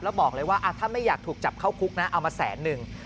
แล้วบอกเลยว่าถ้าไม่อยากถูกจับเข้าคุกนะเอามาแสนนึง